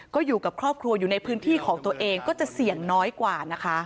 ก็อยู่กับครอบครัวอยู่ในพื้นที่ของตัวเองก็จะเสี่ยงน้อยกว่านะคะ